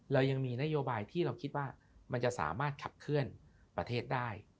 เรายังมีนโยบายที่เราคิดว่ามันจะสามารถขับเคลื่อนประเทศได้